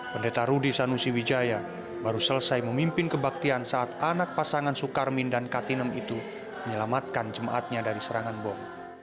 pendeta rudy sanusi wijaya baru selesai memimpin kebaktian saat anak pasangan sukarmin dan katinem itu menyelamatkan jemaatnya dari serangan bom